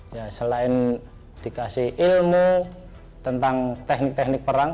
ya selain dikasih ilmu tentang teknik teknik perang